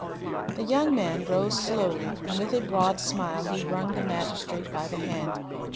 The young man rose slowly, and with a broad smile he wrung the magistrate by the hand.